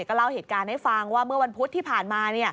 ก็เล่าเหตุการณ์ให้ฟังว่าเมื่อวันพุธที่ผ่านมา